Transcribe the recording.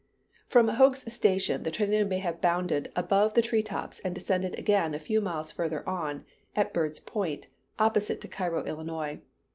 From Hough's Station the tornado may have bounded above the tree tops and descended again a few miles further on at Bird's Point, opposite to Cairo, Illinois.